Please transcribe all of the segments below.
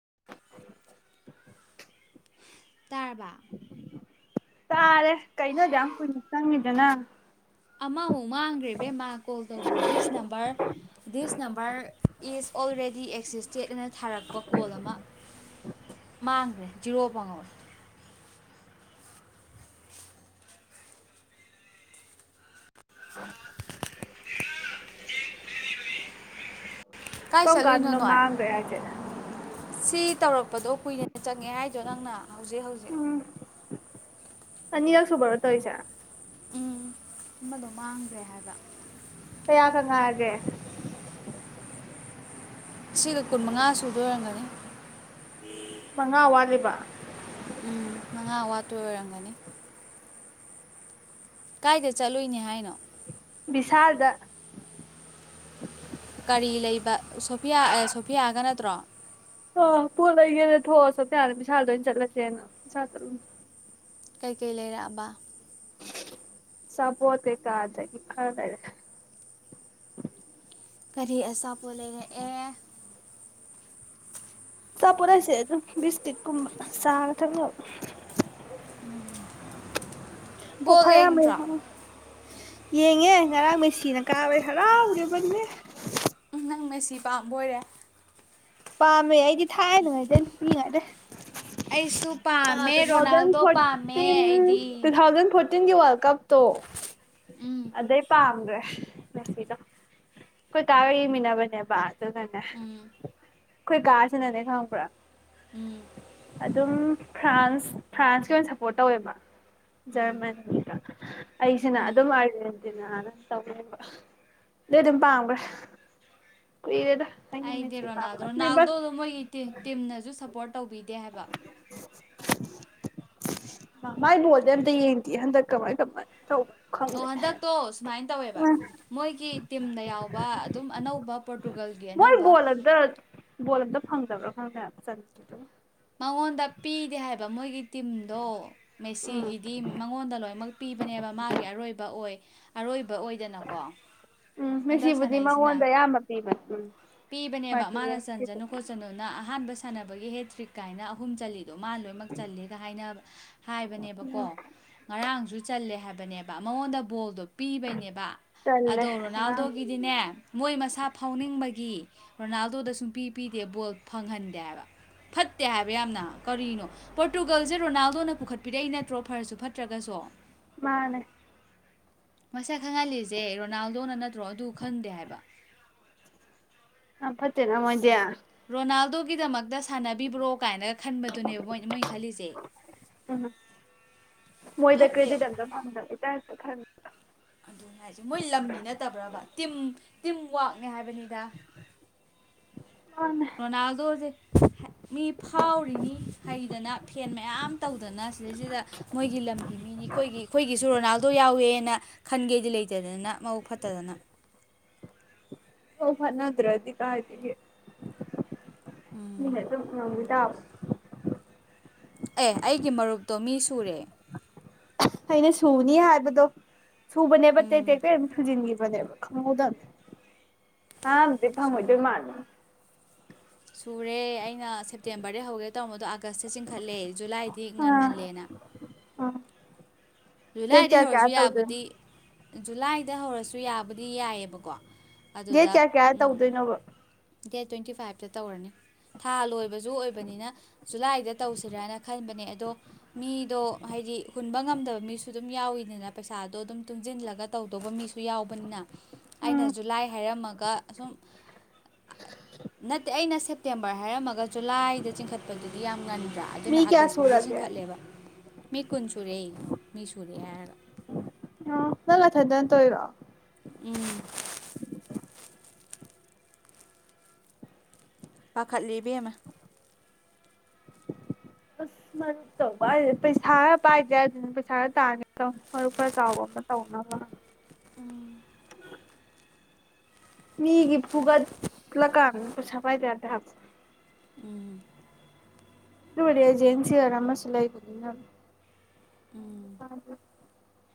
[inaudible] ꯇꯔꯥꯕ ꯇꯥꯔꯦ ꯀꯩꯅꯣꯗꯤ ꯌꯥꯝ ꯀꯨꯏꯅ ꯆꯪꯉꯤꯗꯅ ꯑꯃꯃꯨꯛ ꯃꯥꯡꯈ꯭ꯔꯦ ꯕꯦꯝ ꯃꯥ ꯀꯣꯜ ꯇꯧꯕꯗ this number this number is already existed ꯑꯅ ꯊꯥꯔꯛꯄ ꯀꯣꯜ ꯑꯃ ꯃꯥꯡꯈ꯭ꯔꯦ ꯖꯤꯔꯣ ꯄꯪꯍꯧꯋꯦ ꯀꯥꯏ ꯀꯧ ꯀꯥꯟꯗ ꯆꯠꯂꯨꯏꯅꯣ ꯅ ꯅꯣꯏ ꯃꯥꯥꯡ ꯀꯌꯥꯦ ꯁꯤ ꯇꯧꯔꯛꯄꯗꯣ ꯀꯨꯏꯅ ꯆꯪꯉꯦ ꯍꯥꯏꯗꯣ ꯅꯪꯅ ꯍꯧꯖꯤꯛ ꯍꯧꯖꯤꯛ ꯑꯅꯤꯔꯛꯁꯨꯕꯔ ꯇꯣꯏꯁꯔ ꯑꯃꯗꯣ ꯃꯥꯡꯈ꯭ꯔꯦ ꯍꯥꯏꯕ ꯌꯥꯀꯉꯑꯒꯦ ꯁꯤꯗ ꯀꯨꯟ ꯃꯉꯥ ꯁꯨꯗ ꯑꯣꯏꯔꯝꯒꯅꯤ ꯃꯉꯥꯋꯥꯂꯤꯕ ꯎꯝ ꯃꯉꯥ ꯋꯥꯠꯄ ꯑꯣꯏꯔꯝꯒꯅꯤ ꯀꯥꯏꯗ ꯆꯠꯂꯨꯏꯅꯦ ꯍꯥꯏꯅꯣ ꯕꯤꯁꯥꯜꯗ ꯀꯔꯤ ꯂꯩꯕ ꯁꯣꯐꯤꯌꯥ ꯁꯣꯐꯤꯌꯥꯒ ꯅꯠꯇ꯭ꯔꯣ ꯊꯣꯁꯣ ꯊꯅ ꯄꯩꯁꯥꯗ ꯑꯣꯏꯅꯅ ꯆꯠꯂꯁꯦꯅ ꯄꯁꯥ ꯆꯠꯂ ꯀꯩꯀꯩ ꯂꯩꯔꯛꯑꯕ ꯁꯕ ꯀꯦ ꯀꯗ ꯑꯔꯦ ꯀꯔꯤ ꯑꯁꯥꯄꯣ ꯂꯩꯔꯦ ꯑꯦ ꯆꯄꯔꯁꯦ ꯑꯗꯨ ꯕꯤꯁꯇꯤꯛ ꯀ ꯁꯅ ꯊꯪ ꯑꯣ ꯕꯣꯜ ꯐ ꯃ ꯌꯦꯡꯗ꯭ꯔꯣ ꯌꯦꯡꯉꯦ ꯉꯔꯥꯡ ꯃꯩꯁꯤꯅ ꯀꯥꯕꯩ ꯍꯔꯥꯎꯒꯦꯕꯟꯉꯦ ꯅꯪꯅꯁꯤ ꯄꯥꯝꯕ ꯑꯣꯏꯔꯦ ꯄꯥꯃꯦ ꯑꯩꯗꯤ ꯊꯥꯏꯅꯉꯥꯏꯗꯤ ꯅꯨꯄꯤꯉꯩꯗ ꯑꯩꯁꯨ ꯄꯥꯝꯃꯦ ꯇꯨ ꯊꯥꯎꯖꯟ ꯔꯣꯅꯥꯜꯗꯣ ꯄꯥꯝꯃꯦ ꯐꯣꯔꯇꯤꯟ ꯇꯨ ꯑꯩꯗꯤ ꯊꯥꯎꯖꯟ ꯐꯣꯔꯇꯤꯟ ꯐꯞꯇꯤꯟꯒꯤ ꯋꯥꯔꯜ ꯀꯞꯇꯣ ꯎꯝ ꯑꯗꯩ ꯄꯥꯝꯈ꯭ꯔꯦ ꯃꯦꯁꯤꯗ ꯑꯩꯣꯏ ꯇꯥꯔꯔꯤꯃꯤꯅꯥꯕꯅꯦꯕ ꯀ ꯎꯝ ꯑꯩꯈꯣꯏ ꯒꯥꯔꯥꯁꯅꯅꯦ ꯈꯥꯡꯕ꯭ꯔꯥ ꯑꯗꯨ ꯑꯗꯨꯝ ꯐ꯭ꯔꯥꯟꯁ ꯐ꯭ꯔꯥꯟꯁꯀꯤ ꯑꯣꯏꯅ ꯁꯞꯄꯣꯔꯠ ꯇꯧꯋꯦꯕ ꯎꯝ ꯖꯔꯃꯅꯤꯒ ꯑꯩꯁꯤꯅ ꯎꯝ ꯑꯗꯨꯝ ꯅ ꯇꯕ ꯄꯥꯡꯕ ꯀꯏꯔꯗ ꯑꯩꯗꯤ ꯔꯣꯅꯥꯜ ꯔꯣꯅꯥꯜꯗꯣꯗꯣ ꯃꯣꯏꯒꯤ ꯇꯤꯝꯅꯁꯨ ꯁꯞꯄꯣꯔꯠ ꯇꯧꯕꯤꯗꯦ ꯍꯥꯏꯕ ꯃꯥꯏꯕꯣꯗꯤ ꯑꯝꯇ ꯌꯦꯡꯗꯦ ꯍꯟꯗꯛ ꯀꯃꯥꯏ ꯀꯃꯥꯏꯅ ꯇꯧꯕ ꯑꯣ ꯍꯟꯗꯛꯇꯣ ꯁꯨꯃꯥꯏꯅ ꯇꯧꯋꯦꯕ ꯃꯣꯏꯒꯤ ꯇꯨꯝꯗ ꯌꯥꯎꯕ ꯑꯗꯨꯝ ꯑꯅꯧꯕ ꯄꯣꯔꯇꯨꯒꯜꯒꯤ ꯑꯅꯧꯕ ꯍꯪꯗꯕ꯭ꯔꯣ ꯍꯪ ꯆ ꯃꯉꯣꯟꯗ ꯄꯤꯗꯦ ꯍꯥꯏꯕ ꯃꯣꯏꯒꯤ ꯇꯤꯝꯗꯣ ꯎꯝ ꯃꯦꯁꯤꯒꯤꯗꯤ ꯃꯉꯣꯟꯗ ꯂꯣꯏꯅꯃꯛ ꯄꯤꯕꯅꯦꯕ ꯃꯥꯒꯤ ꯑꯔꯣꯏꯕ ꯑꯣꯏ ꯑꯔꯣꯏꯕ ꯕ ꯑꯣꯏꯗꯅꯀꯣ ꯎꯝ ꯍꯟꯗꯛ ꯃꯦꯁꯤꯕꯨꯗꯤ ꯁꯥꯟꯅꯩꯁꯤꯅ ꯃꯉꯣꯟꯗ ꯑꯌꯥꯝꯕ ꯄꯤꯕꯅꯦ ꯎꯝ ꯄꯤꯕꯅꯦꯕ ꯃꯥꯅ ꯃꯥꯔꯇꯤꯅꯦꯁꯀꯤꯁꯨ ꯆꯟꯁꯅꯨ ꯈꯣꯠꯆꯅꯨꯅ ꯑꯍꯥꯟꯕ ꯁꯥꯟꯅꯕꯒꯤ ꯍꯦ ꯇ꯭ꯔꯤꯛ ꯀꯥꯏꯅ ꯑꯍꯨꯝ ꯆꯠꯂꯤ ꯑꯗꯣ ꯃꯥ ꯂꯣꯏꯅꯃꯛ ꯆꯜꯂꯦꯒ ꯍꯥꯏꯅ ꯍꯥꯏꯕꯅꯦꯕꯀꯣ ꯎꯝ ꯉꯔꯥꯡꯁꯨ ꯆꯜꯂꯦ ꯍꯥꯏꯕ ꯅꯦꯕ ꯃꯉꯣꯟꯗ ꯕꯣꯜꯗꯣ ꯄꯤꯕꯩꯅꯦꯕ ꯇꯜꯂꯦ ꯑꯗꯣ ꯑꯉꯥꯡꯁꯦ ꯔꯣꯅꯥꯜꯗꯣꯒꯤꯗꯤꯅꯦ ꯃꯣꯏ ꯃꯁꯥ ꯐꯥꯎꯅꯤꯡꯕꯒꯤ ꯔꯣꯅꯥꯜꯗꯣꯗ ꯁꯨꯡ ꯄꯤ ꯄꯤꯗꯦ ꯕꯣꯜ ꯐꯪꯍꯟꯗꯦ ꯍꯥꯏꯕ ꯐꯠꯇꯦ ꯍꯥꯏꯕ ꯌꯥꯝꯅ ꯀꯔꯤꯅꯣ ꯄꯣꯔꯇꯨꯒꯜꯁꯦ ꯔꯣꯅꯥꯜꯗꯣꯅ ꯄꯨꯈꯠꯄꯤꯔꯛꯏ ꯅꯠꯇ꯭ꯔꯣ ꯐꯔꯁꯨ ꯐꯠꯇ꯭ꯔꯒꯁꯨ ꯃꯥꯅꯦ ꯃꯁꯛ ꯈꯪꯍꯜꯂꯤꯁꯦ ꯔꯣꯅꯥꯜꯗꯣꯅ ꯅꯠꯇ꯭ꯔꯣ ꯑꯗꯨ ꯈꯪꯗꯦ ꯍꯥꯏꯕ ꯑ ꯐꯠꯇꯦꯅꯥ ꯃꯖ ꯔꯣꯅꯥꯜꯗꯣꯒꯤꯗꯃꯛꯇ ꯁꯥꯟꯅꯕꯤꯕ꯭ꯔꯣ ꯀꯥꯏꯅꯒ ꯈꯟꯕꯗꯨꯅꯦꯕ ꯃꯣꯏ ꯃꯣꯏꯅ ꯈꯜꯂꯤꯁꯦ ꯎꯝ ꯐꯠꯇꯦ ꯑ ꯈꯔ ꯑꯗꯨꯅꯦ ꯍꯥꯏꯁꯦ ꯇꯤꯝꯋꯥꯛꯅꯦ ꯍꯥꯏꯕꯅꯤꯗ ꯃꯥꯅꯦ ꯔꯣꯅꯥꯜꯗꯣꯁꯦ ꯃꯤ ꯐꯥꯎꯔꯤꯅꯤ ꯍꯩꯗꯅ ꯐꯦꯟ ꯃꯌꯥꯝ ꯇꯧꯗꯅ ꯁꯤꯗꯩꯁꯤꯗ ꯃꯣꯏꯒꯤ ꯂꯝꯒꯤ ꯃꯤꯅꯤ ꯑꯩꯈꯣꯏꯒꯤ ꯑꯩꯈꯣꯏꯒꯤꯁꯨ ꯔꯣꯅꯥꯜꯗꯣ ꯌꯥꯎꯋꯦꯅ ꯈꯟꯒꯦꯗꯤ ꯂꯩꯇꯗꯅ ꯃꯕꯨꯛ ꯐꯠꯇꯗꯅ ꯍꯣ ꯐ ꯅ ꯑꯗꯨ꯭ꯔꯗꯤ ꯀꯥꯏꯇꯒꯤ ꯏ ꯇꯞ ꯑꯦ ꯑꯩꯒꯤ ꯃꯔꯨꯞꯇꯣ ꯃꯤ ꯁꯨꯔꯦ ꯑꯩꯅ ꯁꯨꯅꯤ ꯍꯥꯏꯕꯗꯣ ꯎꯝ ꯁꯨꯕꯅꯦꯕꯦꯇꯦꯁꯨꯖꯤ ꯅꯦꯕꯗ ꯍꯥꯐ ꯁꯨꯔꯦ ꯃꯖ ꯃꯥꯅꯤ ꯁꯨꯔꯦ ꯑꯩꯅ ꯁꯦꯞꯇꯦꯝꯕꯔꯗꯩ ꯍꯧꯒꯦ ꯇꯧꯔꯝꯕꯗꯣ ꯑꯥꯒꯁꯇ ꯆꯤꯡꯈꯠꯂꯦ ꯖꯨꯂꯥꯏꯗꯤ ꯑꯥ ꯉꯟꯃꯜꯂꯦꯅ ꯑꯥ ꯑꯗꯨꯣꯏ ꯗꯦꯠ ꯂꯥꯏꯗꯤ ꯀꯌꯥ ꯀꯌꯥ ꯍꯧꯔꯁꯨ ꯇꯧꯗꯣꯏꯅꯣ ꯌꯥꯕꯨꯗꯤ ꯖꯨꯂꯥꯏꯗ ꯍꯧꯔꯁꯨ ꯌꯥꯕꯨꯗꯤ ꯌꯥꯏꯌꯦꯕꯀꯣ ꯗꯦꯠ ꯀꯌꯥ ꯀꯌꯥ ꯇꯧꯗꯣꯏꯅꯣꯕ ꯗꯦꯠ ꯇ꯭ꯋꯦꯟꯇꯤ ꯐꯥꯏꯚꯇ ꯇꯧꯔꯅꯤ ꯊꯥ ꯂꯣꯏ ꯕꯖꯨ ꯑꯣꯏꯕꯅꯤꯅ ꯖꯨꯂꯥꯏꯗ ꯇꯧꯁꯤꯔꯅ ꯈꯟꯕꯅꯦ ꯑꯗꯣ ꯃꯤꯗꯣ ꯍꯥꯏꯗꯤ ꯍꯨꯟꯕ ꯉꯝꯗꯕ ꯃꯤꯁꯨ ꯑꯗꯨꯝ ꯌꯥꯎꯋꯤꯅꯤꯅ ꯄꯩꯁꯥꯗꯣ ꯑꯗꯨꯝ ꯇꯨꯡꯁꯤꯜꯂꯒ ꯇꯧꯗꯧꯕ ꯃꯤꯁꯨ ꯌꯥꯎꯕꯅꯤꯅ ꯑꯩꯅꯁꯨ ꯖꯨꯂꯥꯏ ꯍꯥꯏꯔꯝꯃꯒ ꯁꯨꯝ ꯅꯠꯇꯦ ꯑꯩꯅ ꯁꯦꯞꯇꯦꯝꯕꯔ ꯍꯥꯏꯔꯝꯃꯒ ꯖꯨꯂꯥꯏꯗ ꯆꯤꯡꯈꯠꯄꯗꯨꯗꯤ ꯌꯥꯝ ꯉꯟꯕ꯭ꯔꯥ ꯑꯗꯨꯅ ꯃꯤ ꯀꯌꯥ ꯑꯥꯒꯁꯐꯥꯎꯗꯤ ꯁꯨꯔꯒꯦ ꯆꯤꯡꯈꯠꯂꯦꯕ ꯃꯤ ꯀꯨꯟ ꯁꯨꯔꯦ ꯃꯤ ꯁꯨꯨꯔꯦ [unintelligible] ꯑꯣ ꯅꯪ ꯅꯊꯟꯗꯅ ꯇꯧꯏꯔꯣ ꯎꯝ ꯄꯥꯈꯠꯂꯤ ꯏꯕꯦꯝꯃ ꯑꯁ ꯃꯔꯨꯞ ꯇꯧꯕ ꯍꯥꯏꯖꯦ ꯄꯩꯁꯥ ꯈꯔ ꯄꯥꯏꯗ ꯌꯥꯗꯦ ꯄꯩꯁꯥ ꯈꯔ ꯇꯥꯅꯤ ꯇꯧꯅꯤ ꯃꯔꯨꯞ ꯈꯔ ꯆꯥꯎꯕ ꯑꯃ ꯇꯧꯅꯕ ꯎꯝ ꯃꯤꯒꯤ ꯐꯨꯒꯠꯂꯛꯀꯥꯟ ꯄꯩꯁꯥ ꯄꯥꯏꯗ ꯌꯥꯗꯦ ꯍꯥꯏꯕ ꯎꯝ ꯑꯗꯨꯕꯨꯗꯤ ꯑꯦꯖꯦꯟ ꯁꯦꯜ ꯑꯃꯁꯨ ꯂꯩꯕꯅꯤꯅ ꯎꯝ [unintelligible]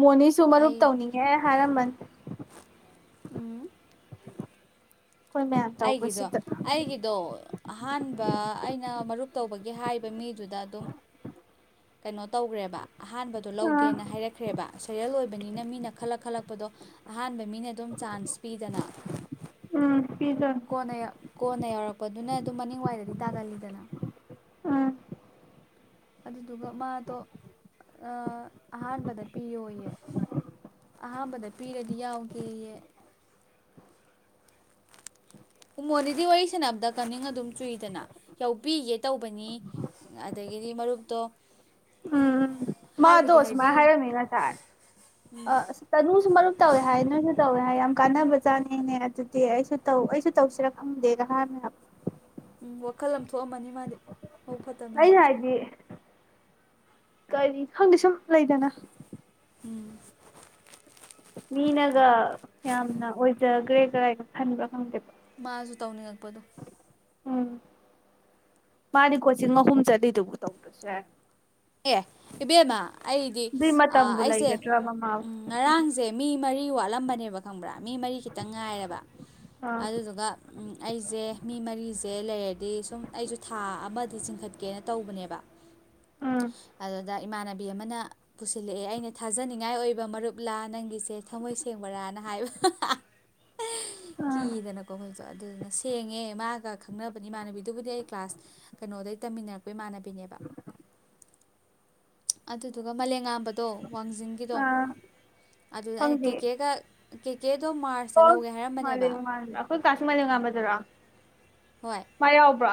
ꯃꯣꯅꯤꯁꯨ ꯃꯔꯨꯞ ꯑꯩ ꯇꯧꯅꯤꯡꯉꯦ ꯍꯥꯏꯔꯝꯕꯅꯦ ꯎꯝ ꯑꯩꯒꯤꯗꯣ ꯑꯩꯒꯤꯗꯣ ꯑꯍꯥꯟꯕ ꯑꯩ ꯅ ꯃꯔꯨꯞ ꯇꯧꯕꯒꯤ ꯍꯥꯏꯕ ꯃꯤꯗꯨꯗ ꯑꯗꯨꯝ ꯀꯩꯅꯣ ꯇꯧꯈ꯭ꯔꯦꯕ ꯑꯍꯥꯟꯕꯗꯣ ꯑꯥ ꯂꯧꯒꯦꯅ ꯍꯥꯏꯔꯛꯈ꯭ꯔꯦꯕ ꯁꯦꯔꯦꯜ ꯑꯣꯏꯕꯅꯤꯅ ꯃꯤꯅ ꯈꯜꯂꯛ ꯈꯜꯂꯛꯄꯗꯣ ꯑꯍꯥꯟꯕꯩ ꯃꯤꯅꯗꯨꯝ ꯆꯥꯟꯁ ꯄꯤꯗꯅ ꯎꯝ ꯄꯤꯗꯣꯏꯅꯤ ꯀꯣꯟꯅ ꯀꯣꯟꯅ ꯌꯥꯎꯔꯛꯄꯗꯨꯅ ꯑꯗꯨꯝ ꯃꯅꯤꯡ ꯋꯥꯏꯗꯗꯤ ꯇꯥꯒꯜꯂꯤꯗꯅ ꯑꯥ ꯑꯗꯨꯗꯨꯒ ꯃꯥꯗꯣ ꯑꯥ ꯑꯍꯥꯟꯕꯗ ꯄꯤꯌꯣꯌꯦ ꯑꯍꯥꯟꯕꯗ ꯄꯤꯔꯗꯤ ꯌꯥꯎꯒꯦꯌꯦ ꯎꯃꯣꯟꯗꯤꯗꯤ ꯋꯥꯔꯤ ꯁꯥꯟꯅꯕꯗ ꯀꯅꯤꯡ ꯑꯗꯨꯝ ꯆꯨꯏꯗꯅ ꯌꯥꯎꯕꯤꯒꯦ ꯇꯧꯕꯅꯤ ꯑꯗꯒꯤꯗꯤ ꯃꯔꯨꯞꯇꯣ ꯎꯝ ꯃꯥꯗꯣ ꯍꯥꯏꯕꯨꯗꯤ ꯁꯨꯃꯥꯏ ꯍꯥꯏꯕꯤꯔꯤ ꯍꯥꯏꯔꯝꯃꯤ ꯉꯁꯥꯏ ꯑꯥ ꯑꯁ ꯇꯅꯨꯁꯨ ꯃꯔꯨꯞ ꯇꯧꯋꯦ ꯍꯥꯏꯌꯦ ꯅꯣꯏꯁꯨ ꯇꯧꯋꯦ ꯍꯥꯏ ꯌꯥꯝ ꯀꯥꯟꯅꯕ ꯖꯥꯠꯅꯤꯅꯦ ꯑꯗꯨꯗꯤ ꯑꯩꯁꯨ ꯇꯧ ꯑꯩꯁꯨ ꯇꯧꯁꯤꯔ ꯈꯪꯗꯦꯅ ꯍꯥꯏ [unintelligible] ꯎꯝ ꯋꯥꯈꯜ ꯑꯃ ꯊꯣꯛꯑꯝꯃꯅꯤ ꯃꯥꯗꯤ ꯃꯕꯨꯛ ꯐꯠꯇꯕꯅꯤꯅ ꯑꯩꯅ ꯍꯥꯏꯗꯤ ꯀꯔꯤ ꯈꯪꯗꯦ ꯁꯨꯝ ꯂꯩꯗꯅ ꯎꯝ ꯃꯤꯅꯒ ꯌꯥꯝꯅ ꯑꯣꯏꯖꯈ꯭ꯔꯦ ꯀꯔꯥꯏꯅ ꯈꯟꯕ꯭ꯔꯥ ꯈꯪꯗꯦꯕ ꯃꯥꯁꯨ ꯇꯧꯅꯤꯡꯉꯛꯄꯗꯣ ꯎꯝ ꯃꯥꯅꯤꯀꯣꯆꯤꯡ ꯑꯍꯨꯝ ꯆꯠꯂꯤꯗꯨꯕꯨ ꯇꯧꯗꯁꯦ ꯑꯦ ꯏꯕꯦꯝꯃ ꯑꯩꯗꯤ ꯑꯗꯨꯏ ꯃꯇꯝꯕꯨ ꯑꯩꯁꯦ ꯂꯩꯒꯗ꯭ꯔꯥ ꯃꯃꯥꯕꯨ ꯉꯔꯥꯡꯁꯦ ꯃꯤ ꯃꯔꯤ ꯋꯥꯠ ꯂꯝꯕꯅꯦꯕ ꯈꯪꯕ꯭ꯔꯥ ꯃꯤ ꯃꯔꯤ ꯈꯤꯇꯪ ꯉꯥꯏꯔꯦꯕ ꯑꯥ ꯑꯗꯨꯗꯨꯒ ꯑꯩꯁꯦ ꯃꯤ ꯃꯔꯤꯁꯦ ꯂꯩꯔꯗꯤ ꯑꯗꯤ ꯁꯨꯝ ꯑꯩꯁꯨ ꯊꯥ ꯑꯃꯗꯤ ꯆꯤꯡꯈꯠꯀꯦꯅ ꯇꯧꯕꯅꯦꯕ ꯎꯝ ꯑꯗꯨꯗ ꯏꯃꯥꯟꯅꯕꯤ ꯑꯃꯅ ꯄꯨꯁꯤꯜꯂꯛꯑꯦ ꯑꯩꯅ ꯊꯥꯖꯅꯤꯡꯉꯥꯏ ꯑꯣꯏꯕ ꯃꯔꯨꯞꯂꯥ ꯅꯪꯒꯤꯁꯦ ꯊꯝꯃꯣꯏ ꯁꯦꯡꯕꯔꯥꯅ ꯍꯥꯏꯕ ꯑꯥ ꯀꯤꯗꯅꯀꯣ ꯑꯩꯈꯣꯏꯁꯨ ꯑꯗꯨꯗꯨꯅ ꯁꯦꯡꯉꯦ ꯃꯥꯒ ꯈꯪꯅꯕꯅꯤ ꯏꯃꯥꯟꯅꯕꯤꯗꯨꯕꯨꯗꯤ ꯑꯩ ꯀ꯭ꯂꯥꯁ ꯀꯩꯅꯣꯗꯒꯤꯩ ꯇꯝꯃꯤꯟꯅꯔꯛꯄ ꯏꯃꯥꯟꯅꯕꯤ ꯕꯤꯅꯦꯕ ꯑꯗꯨꯗꯨꯒ ꯃꯂꯉꯥꯝꯕꯗꯣ ꯋꯥꯡꯖꯤꯡꯒꯤꯗꯣ ꯑꯥ ꯑꯗꯨꯗ ꯑꯩꯅ ꯈꯪꯗꯦ ꯀꯦꯛꯀꯦꯒ [inaudible] ꯑꯣ ꯀ ꯃꯥ ꯃꯥ ꯑꯩꯈꯣꯏ ꯍꯣꯏ [inaudible] ꯃꯥ ꯌꯥꯎꯕ꯭ꯔꯥ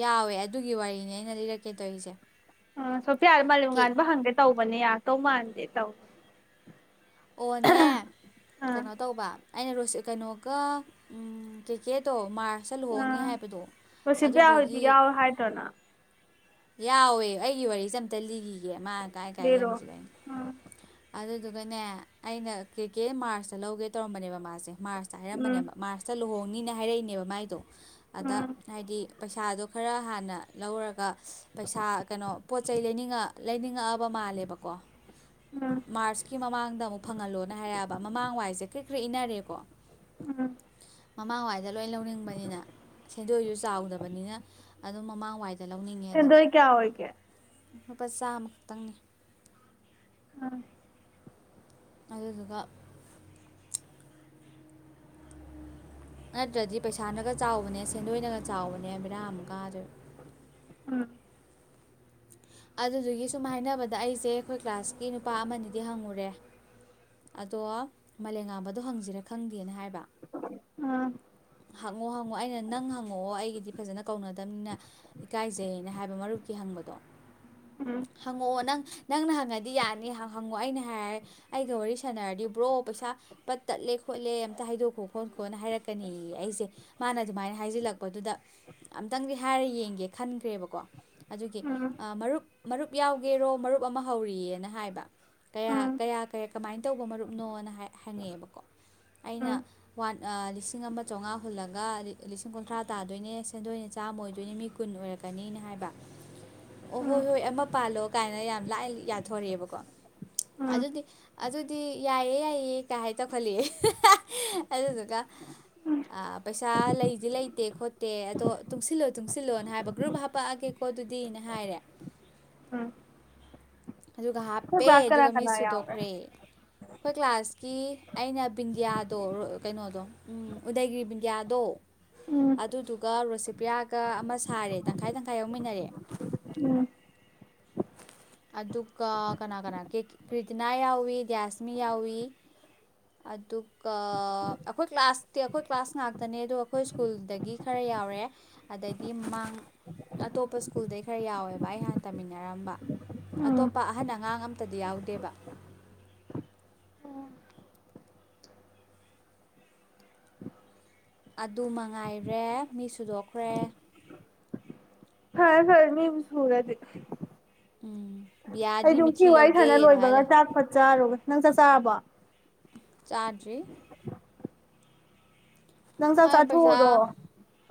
ꯌꯥꯎꯋꯦ ꯑꯗꯨꯒꯤ ꯋꯥꯔꯤꯅꯦ ꯑꯩꯅ ꯂꯤꯔꯛꯀꯦ ꯇꯧꯔꯤꯁꯦ ꯎ ꯁꯣꯐꯤꯌꯥ ꯃꯂꯦꯝ ꯀꯦ ꯉꯥꯟꯕ ꯍꯪꯒꯦ ꯇꯧꯕꯅꯦ ꯌꯥ ꯇꯧ ꯃꯥꯥꯟꯂꯦ ꯇ [inaudible] ꯑꯣꯅꯦ ꯑꯥ ꯀꯩꯅꯣ ꯇꯧꯕ ꯑꯩꯅ ꯔꯣꯁꯤ ꯀꯩꯅꯣꯒ ꯀꯩꯀꯦꯗꯣ ꯃꯥꯔꯁ ꯑꯥ ꯃꯁꯤꯕꯌꯥ ꯍꯧꯗꯤ ꯌꯥꯎꯋꯦ ꯍꯥꯏꯗ꯭ꯔꯣꯅ ꯌꯥꯎꯋꯦ ꯑꯩꯒꯤ ꯋꯥꯔꯤꯁꯦ ꯑꯝꯇ ꯂꯤꯔꯤꯒꯦ ꯃꯥ ꯀꯥꯏ ꯀꯥꯏꯖꯦ ꯂꯤꯔꯣ ꯑꯝꯆ ꯀꯥꯏ ꯎꯝ ꯑꯗꯨꯗꯨꯒꯅꯦ ꯑꯩꯅ ꯀ꯭ꯔꯤꯀꯦ ꯃꯥꯔꯁꯇ ꯂꯧꯒꯦ ꯇꯧꯔꯝꯕꯅꯦꯕ ꯃꯥꯁꯦ ꯃꯥꯔꯁꯇ ꯎꯝ ꯍꯥꯏꯔꯝꯕꯅꯦꯕ ꯃꯥꯔꯁꯇ ꯂꯨꯍꯣꯡ ꯪꯅꯤꯅ ꯍꯥꯏꯔꯛꯏꯅꯦꯕ ꯃꯥꯏꯗꯣ ꯑꯗ ꯎꯝ ꯍꯥꯏꯗꯤ ꯄꯩꯁꯥꯗꯣ ꯈꯔ ꯍꯥꯟꯅ ꯂꯧꯔꯒ ꯄꯩꯁꯥ ꯀꯩꯅꯣ ꯄꯣꯠ ꯆꯩꯩ ꯂꯩꯅꯤꯡꯉ ꯂꯩꯅꯤꯡꯉꯛꯑꯕ ꯃꯥꯜꯂꯦꯕꯀꯣ ꯎꯝ ꯃꯥꯔꯆꯀꯤ ꯃꯃꯥꯡꯗ ꯑꯃꯨꯛ ꯐꯪꯍꯜꯂꯣꯅ ꯍꯥꯏꯔꯛꯑꯕ ꯃꯃꯥꯡ ꯋꯥꯏꯁꯦ ꯀꯔꯤ ꯈꯔ ꯏꯟꯅꯔꯦꯀꯣ ꯎꯝ ꯃꯃꯥꯡꯋꯥꯏꯗ ꯂꯣꯏ ꯂꯧꯅꯤꯡꯕꯅꯤꯅ ꯁꯦꯟꯗꯣꯏꯁꯨ ꯆꯥꯎꯗꯕꯅꯤꯅ ꯑꯗꯨꯝ ꯃꯃꯥꯡꯋꯥꯏꯗ ꯂꯧꯅꯤꯡꯉꯦꯗꯅ ꯁꯦꯟꯗꯣꯏ ꯀꯌꯥ ꯑꯣꯏꯒꯦ ꯂꯨꯄꯥ ꯆꯥꯝꯃꯈꯛꯇꯪꯅꯤ ꯑꯥ ꯑꯗꯨꯗꯨꯒꯥ ꯅꯠꯇ꯭ꯔꯗꯤ ꯄꯩꯁꯥꯅꯒ ꯆꯥꯎꯕꯅꯦ ꯁꯦꯟꯗꯣꯏꯅꯒ ꯆꯥꯎꯕꯅꯦ ꯕꯤꯔꯥ ꯑꯃꯨꯛ ꯀꯗꫭꯏꯕ ꯎꯝ ꯑꯗꯨꯗꯨꯒꯤ ꯁꯨꯝ ꯍꯥꯏꯅꯕꯗ ꯑꯩꯁꯦ ꯑꯩꯈꯣꯏ ꯀ꯭ꯂꯥꯁꯀꯤ ꯅꯨꯄꯥ ꯑꯃꯅꯤꯗꯤ ꯍꯪꯉꯨꯔꯦ ꯑꯗꯣ ꯃꯥꯂꯦꯝ ꯉꯥꯡꯝꯕꯗꯣ ꯍꯪꯁꯤꯔꯥ ꯈꯪꯗꯦꯅ ꯍꯥꯏꯕ ꯎꯝ ꯍꯪꯉꯣ ꯍꯪꯉꯣ ꯑꯩꯅ ꯅꯪ ꯍꯪꯉꯛꯑꯣ ꯑꯩꯒꯤꯗꯤ ꯐꯖꯅ ꯀꯧꯅꯗꯕꯅꯤꯅ ꯏꯀꯥꯏꯖꯩꯅ ꯍꯥꯏꯕ ꯃꯔꯨꯞ ꯀꯤ ꯍꯪꯕꯗꯣ ꯎꯝ ꯍꯪꯉꯑꯣ ꯅꯪ ꯅꯪꯅ ꯍꯪꯉꯗꯤ ꯌꯥꯅꯤ ꯍꯪꯉꯣ ꯑꯩꯅ ꯍꯥꯏꯔ ꯑꯩꯒ ꯋꯥꯔꯤ ꯁꯥꯟꯅꯔꯗꯤ ꯕ꯭ꯔꯣ ꯄꯩꯁꯥ ꯄꯠ ꯇꯠꯂꯦ ꯈꯣꯠꯂꯦ ꯑꯝꯇ ꯍꯥꯏꯗꯣꯛꯈꯣ ꯈꯣꯠꯈꯣꯅ ꯍꯥꯏꯔꯛꯀꯅꯤ ꯑꯩꯁꯦ ꯃꯥꯅ ꯑꯗꯨꯃꯥꯏꯅ ꯍꯥꯏꯖꯤꯜꯂꯛꯄꯗꯨꯗ ꯑꯝꯇꯪꯗꯤ ꯍꯥꯏꯔ ꯌꯦꯡꯒꯦ ꯈꯟꯈ꯭ꯔꯦꯕꯀꯣ ꯑꯗꯨꯒꯤ ꯎꯝ ꯃꯔꯨꯞ ꯃꯔꯨꯞ ꯌꯥꯎꯒꯦꯔꯣ ꯃꯔꯨꯞ ꯑꯃ ꯍꯧꯔꯤꯑꯅ ꯍꯥꯏꯕ ꯀꯌꯥ ꯎꯝ ꯀꯌꯥ ꯀꯌꯥ ꯀꯃꯥꯏꯅ ꯇꯧꯕ ꯃꯔꯨꯞꯅꯣꯅ ꯍꯪꯉꯛꯑꯦꯕꯀꯣ ꯑꯩꯅ ꯋꯥꯟ ꯂ ꯂꯤꯁꯤ ꯅꯝꯕꯔ ꯆꯥꯝꯃꯉꯥ ꯍꯨꯜꯂꯒ ꯂꯤꯁꯤꯡ ꯀꯨꯟꯊ꯭ꯔꯥ ꯇꯥꯗꯣꯏꯅꯦ ꯁꯦꯟꯗꯣꯏꯅ ꯆꯥꯝꯃ ꯑꯣꯏꯗꯣꯏꯅꯦ ꯃꯤ ꯀꯨꯟ ꯑꯣꯏꯔꯛꯀꯅꯤꯅ ꯍꯥꯏꯕ ꯑꯣ ꯎꯝ ꯎꯝ ꯍꯣꯏ ꯍꯣꯏ ꯑꯃ ꯄꯥꯜꯂꯣ ꯀꯥꯏꯅ ꯌꯥꯝ ꯂꯥꯏ ꯌꯥꯊꯣꯔꯛꯑꯦꯕꯀꯣ ꯎꯝ ꯑꯗꯨꯗꯤ ꯑꯗꯨꯗꯤ ꯑꯗꯨꯗꯤ ꯌꯥꯏꯌꯦ ꯌꯥꯏꯌ‌ꯦ ꯀꯥꯏ ꯇꯧꯈꯜꯂꯤꯑꯦ ꯑꯗꯨꯗꯨꯒ ꯑꯥ ꯄꯩꯁꯥ ꯂꯩꯗꯤ ꯂꯩꯇꯦ ꯈꯣꯠꯇꯦ ꯑꯗꯣ ꯇꯨꯡꯁꯤꯜꯂꯣ ꯇꯨꯡꯁꯤꯜꯂꯣꯅ ꯍꯥꯏꯕ ꯒ꯭ꯔꯨꯞ ꯍꯥꯄꯛꯑꯒꯦꯀꯣ ꯑꯗꯨꯗꯤꯅ ꯍꯥꯏꯔꯦ ꯎꯝ ꯑꯗꯨꯒ ꯅꯣꯏ ꯍꯥꯞꯄꯦ ꯀ꯭ꯂꯥꯁ ꯀꯅꯥ ꯑꯗꯨꯒ ꯃꯤ ꯀꯅꯥ ꯌꯥꯎꯒꯦ ꯁꯨꯗꯣꯛꯈ꯭ꯔꯦ ꯑꯩꯈꯣꯏ ꯀ꯭ꯂꯥꯁꯀꯤ ꯑꯩꯅ ꯕꯤꯟꯗꯤ꯭ꯌꯥꯗꯣ ꯀꯩꯅꯣꯗꯣ ꯎꯝ ꯎꯗꯩꯒꯤꯔꯤ ꯕꯤꯟꯗꯤꯌꯥꯗꯣ ꯎꯝ ꯑꯗꯨꯗꯨꯒ ꯔꯁꯤ ꯆꯦꯄꯤꯌꯥꯒ ꯑꯃ ꯁꯥꯔꯦ ꯇꯪꯈꯥꯏ ꯇꯪꯈꯥꯏ ꯌꯥꯎꯃꯤꯟꯅꯔꯦ ꯎꯝ ꯑꯗꯨꯒ ꯀꯅꯥ ꯀꯅꯥ ꯀ꯭ꯔꯤꯇꯤꯅꯥ ꯌꯥꯎꯏ ꯗ꯭ꯌꯥꯁꯃꯤ ꯌꯥꯎꯏ ꯑꯗꯨꯒ ꯑꯩꯈꯣꯏ ꯀ꯭ꯂꯥꯁꯇꯤ ꯑꯩꯈꯣꯏ ꯀ꯭ꯂꯥꯁ ꯉꯥꯛꯇꯅꯦ ꯑꯗꯣ ꯑꯩꯈꯣꯏ ꯁ꯭ꯀꯨꯜꯗꯒꯤ ꯈꯔ ꯌꯥꯎꯔꯦ ꯑꯗꯩꯗꯤ ꯃꯥꯡ ꯑꯇꯣꯞꯄ ꯁ꯭ꯀꯨꯜꯗꯩ ꯈꯔ ꯌꯥꯎꯋꯦꯕ ꯑꯩ ꯍꯥꯟꯅ ꯇꯝꯃꯤꯟꯅꯔꯝꯕ ꯎꯝ ꯑꯇꯣꯞꯄ ꯑꯍꯟ ꯑꯉꯥꯡ ꯑꯝꯇꯗꯤ ꯌꯥꯎꯗꯦꯕ ꯑꯗꯨ ꯃꯉꯥꯏꯔꯦ ꯃꯤ ꯁꯨꯗꯣꯛꯈ꯭ꯔꯦ ꯐꯔ‌ꯦ ꯐꯔ‌ꯦ ꯃꯕꯨ ꯁꯨꯔꯗꯤ ꯎꯝ ꯕꯤꯌꯥꯗꯤ ꯑꯩꯖꯨ ꯃꯤꯊꯤ ꯁꯤꯋꯥꯔꯤ ꯁꯅ ꯂꯧꯒꯦꯗ ꯍꯥꯏ ꯂꯣꯏꯕꯒ ꯂꯩ ꯆꯥꯛꯐꯠ ꯆꯥꯔꯨꯔꯒ ꯅꯪ ꯆꯠ ꯆꯥꯕꯣ ꯇꯥꯖꯔꯤ ꯅꯪ ꯆꯥꯛ ꯑꯩ ꯄꯩꯁꯥ ꯆꯥꯊꯣꯛꯎꯔꯣ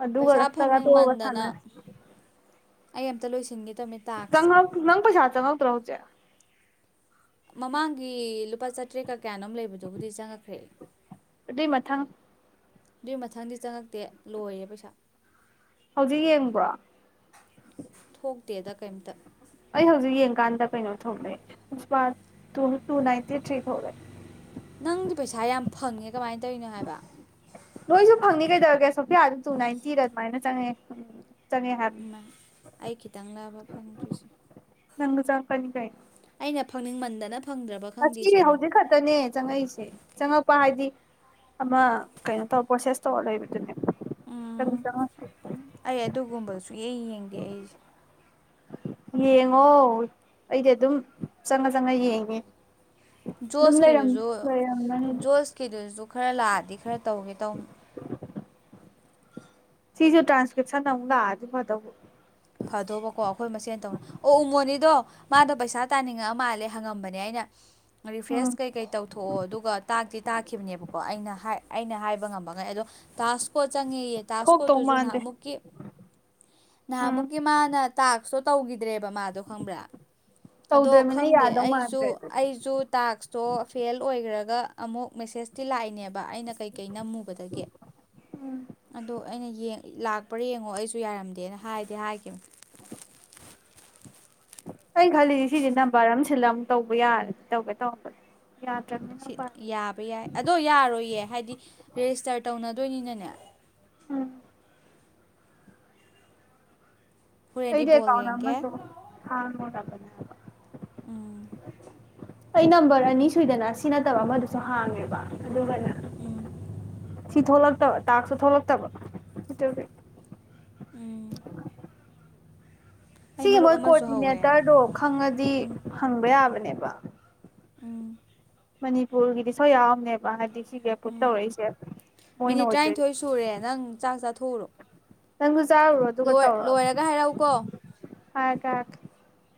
ꯑꯗꯨꯒ ꯄꯩꯁꯥ ꯆꯥꯛꯆꯥꯊꫭꯛꯑꯒ ꯐꯪꯅꯤꯡꯃꯟꯗꯅ ꯁꯥꯟꯅꯁꯤ ꯑꯩ ꯑꯃꯝꯇ ꯂꯣꯏꯁꯤꯟꯒꯦ ꯇꯧꯅꯤ ꯀꯪ ꯇꯥꯛꯁꯦ ꯅꯪ ꯄꯁꯗ ꯆꯪꯉꯛꯇ꯭ꯔꫭ ꯍꯨꯖꯤꯛ ꯃꯃꯥꯡꯒꯤ ꯂꯨꯄꯥ ꯆꯥꯇ꯭ꯔꯦ ꯀ ꯀꯌꯥꯅꯣꯝ ꯂꯩꯕꯗꯨꯕꯨꯗꯤ ꯆꯪꯉꯛꯈ꯭ꯔꯦ ꯑꯗꯨꯏ ꯃꯊꯪ ꯑꯗꯨꯏ ꯃꯊꯪꯗꯤ ꯆꯪꯉꯛꯇꯦ ꯂꯣꯏꯔꯦ ꯄꯩꯁꯥ ꯍꯧꯖꯤꯛ ꯌꯦꯡꯕ꯭ꯔꯣ ꯊꯣꯛꯇꯦꯗ ꯀꯩꯝꯇ ꯑꯩ ꯍꯧꯖꯤꯛ ꯌꯦꯡꯀꯥꯟꯗ ꯀꯩꯅꯣ ꯊꯣꯛꯂꯛꯑꯦ ꯅꯨꯄꯥ ꯇꯨ ꯅꯥꯏꯟꯇꯤ ꯊ꯭ꯔꯤ ꯊꯣꯛꯂꯛꯑꯦ ꯅꯪꯗꯤ ꯄꯩꯁꯥ ꯌꯥꯝ ꯐꯪꯉꯦ ꯀꯃꯥꯏꯅ ꯇꯧꯔꯤꯅꯣ ꯍꯥꯏꯕ ꯅꯣꯏꯁꯨ ꯐꯪꯅꯤ ꯀꯩꯗꯧꯔꯒꯦ ꯁꯣꯐꯤꯌꯥꯁꯨ ꯇꯨ ꯅꯥꯏꯟꯇꯤꯔ ꯑꯗꯨꯃꯥꯏꯅ ꯆꯪꯉꯦ ꯎꯝ ꯏꯃꯥ ꯑꯩ ꯈꯤꯇꯪ ꯂꯥꯕ ꯐꯪꯗ꯭ꯔꯤꯁꯦ ꯅꯪꯗꯨ ꯆꯪꯉꯛꯀꯅꯤ ꯀꯩꯟ ꯑꯩꯅ ꯐꯪꯅꯤꯡ ꯃꯟꯗꯅ ꯉꯁꯤ ꯍꯧꯖꯤꯛ ꯈꯛꯇꯅꯦ ꯆꯪꯉꯛꯏꯁꯦ ꯆꯪꯉꯛꯄ ꯍꯥꯏꯗꯤ ꯑꯃ ꯀꯩꯅꯣ ꯇꯧꯔ ꯄ꯭ꯔꯣꯁꯦꯁ ꯇꯧꯔ ꯂꯩꯕꯗꯨꯅꯦ ꯎꯝ ꯑꯩ ꯑꯗꯨꯒꯨꯝꯕ ꯁꯨꯌꯦꯡ ꯌꯦꯡꯗꯦ ꯑꯩꯁꯦ ꯌꯦꯡꯉꯣ ꯑꯩꯗꯤ ꯑꯗꯨꯝ ꯆꯪꯉ ꯆꯪꯉ ꯌꯦꯡꯉꯦ ꯑꯗꯨꯝ ꯂꯩꯔꯝ ꯖꯣꯁꯀꯤꯗꯨꯁꯨ ꯂꯩꯔꯝꯃꯅꯤ ꯖꯣꯁꯀꯤꯗꯨꯁꯨ ꯈꯔ ꯂꯥꯛꯑꯗꯤ ꯈꯔ ꯇꯧꯒꯦ ꯇꯧꯝ ꯁꯤꯁꯨ ꯇ꯭ꯔꯥꯟꯁꯀ꯭ꯔꯤꯞꯁꯟ ꯑꯃꯨꯛ ꯂꯥꯛꯑꯗꯤ ꯐꯗꯧꯕ ꯐꯗꯧꯕꯀꯣ ꯑꯩꯈꯣꯏ ꯃꯁꯦꯟ ꯇꯧꯅ ꯑꯣ ꯎꯃꯣꯅꯤꯗꯣ ꯃꯥꯗꯣ ꯄꯩꯁꯥ ꯇꯥꯅꯤꯡꯉꯛꯑ ꯃꯥꯜꯂꯦ ꯍꯪꯉꯝꯕꯅꯦ ꯑꯩꯅ ꯎꯝ ꯔꯤꯐ꯭ꯔꯦꯁ ꯀꯩꯀꯩ ꯇꯧꯊꯣꯛꯑꯣ ꯑꯗꯨꯒ ꯇꯥꯛꯇꯤ ꯇꯥꯈꯤꯕꯅꯦꯕꯀꯣ ꯑꯩꯅ ꯍꯥꯏ ꯑꯩꯅ ꯍꯥꯏꯕ ꯉꯝꯕ ꯉꯩ ꯑꯗꯣ ꯇꯥꯁ ꯀꫭꯠ ꯆꯪꯉꯦꯌꯦ ꯊꯣꯛꯇꯧ ꯇꯥꯁꯀꯣꯠꯇꯨꯁꯨ ꯃꯥꯟꯗꯦ ꯅꯍꯥꯃꯨꯛꯀꯤ ꯎꯝ ꯅꯍꯥꯃꯨꯛ ꯃꯥꯅ ꯇꯥꯛꯁꯇꯣ ꯇꯧꯈꯤ ꯗ꯭ꯔꯦꯕ ꯃꯥꯗꫭ ꯈꯪꯕ꯭ꯔꯥ ꯑꯗꫭ ꯇꯧꯗ꯭ꯔꯃꯤꯅ ꯈꯪꯗꯦ ꯌꯥꯗꯧ ꯑꯩꯖꯨ ꯃꯥꯟꯗ꯭ꯔꯦ ꯑꯗꯨꯗꯤ ꯑꯩꯖꯨ ꯇꯥꯛꯁꯇꫭ ꯐꯦꯜ ꯑꫭꯏꯘ꯭ꯔ ꯒ ꯑꯃꯨꯛ ꯃꯦꯁꯦꯁꯇꯤ ꯂꯥꯛꯏꯅꯦꯕ ꯑꯩꯅ ꯀꯩꯀꯩ ꯅꯝꯃꯨꯕꯗꯒꯤ ꯎꯝ ꯑꯗꯣ ꯑꯩꯅ ꯌꯦꯡ ꯂꯥꯛꯄ꯭ꯔꯥ ꯌꯦꯡꯉꯣ ꯑꯩꯁꯨ ꯌꯥꯔꯝꯗꯦꯅ ꯍꯥꯏꯗꯤ ꯍꯥꯏ [inaudible] ꯑꯩꯅ ꯈꯜꯂꯤ ꯁꯤꯁꯤ ꯅꯝꯕꯔ ꯑꯃ ꯁꯤꯜꯂ ꯑꯃꯨꯛ ꯇꯧꯕ ꯌꯥꯔꯗꯤ ꯇꯧꯒꯦ ꯇꯧꯔꯝꯕꯟ ꯁꯤ ꯌꯥꯕ ꯌꯥꯏ ꯑꯗꯣ ꯌꯥꯔꯣꯏꯌꯦ ꯍꯥꯏꯗꯤ ꯔꯦꯖꯤꯇꯔ ꯇꯧꯅ ꯗꯣꯏꯅꯤꯅꯅꯦ ꯎꯝ ꯍꯣꯔꯦꯟꯗꯤ ꯑꯩꯗꯤ ꯕꯣꯜ ꯑꯦꯀꯥꯎꯟ ꯌꯦꯡꯒꯦ ꯑꯃꯁꯨ ꯍꯥꯡꯉꯨꯔꯕꯟ ꯎꯝ ꯑꯩ ꯅꯝꯕꯔ ꯑꯅꯤ ꯁꯨꯏꯗꯅ ꯁꯤ ꯅꯠꯇꯕ ꯑꯃꯗꯨꯁꯨ ꯍꯥꯡꯉꯦꯕ ꯑꯗꯨꯒꯅꯦ ꯁꯤ ꯊꯣꯛꯂꯛꯇꯕ ꯇꯥꯛꯁꯇꯨ ꯊꯣꯛꯂꯛꯇꯕ ꯑꯗꯨꯒꯤ ꯎꯝ ꯁꯤꯒꯤ ꯃꯣꯏ ꯍꯧꯋꯦ ꯀꯣꯑꯣꯔꯗꯤꯅꯦꯇꯔꯗꯣ ꯈꯪꯉꯗꯤ ꯎꯝ ꯍꯪꯕ ꯌꯥꯕꯅꯦꯕ ꯕꯥ ꯎꯝ ꯃꯅꯤꯄꯨꯔꯒꯤꯗꯤ ꯁꯣꯏ ꯌꯥꯎꯔꯝꯅꯦꯕ ꯍꯥꯏꯗꯤ ꯁꯤꯒꯤ ꯑꯦꯄ꯭ꯔꯨꯞ ꯎꯝ ꯇꯧꯔꯛꯏꯁꯦ ꯃꯣꯏꯅ ꯃꯤꯅꯤꯠ ꯑꯣꯏꯗꯣꯏꯅꯦ ꯇꯔꯥꯅꯤꯊꯣꯏ ꯁꯨꯔꯦ ꯅꯪ ꯆꯥꯛ ꯆꯥꯊꯣꯛꯎꯔꯣ ꯅꯪꯁꯨ ꯆꯥꯔꯨꯔꯣ ꯑꯗꯨꯒ ꯂꯣꯏꯔꯒ ꯍꯥꯏꯔꯛꯎꯀꯣ ꯍ ꯀ